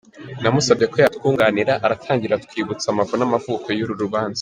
Namusabye ko yatwunganira. Aratangira atwibutsa amavu n’amavuko y’uru rubanza.